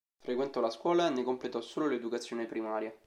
Frequentò la scuola e ne completò solo l'educazione primaria.